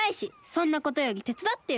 そんなことよりてつだってよ！